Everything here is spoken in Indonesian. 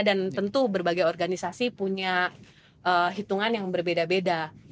dan tentu berbagai organisasi punya hitungan yang berbeda beda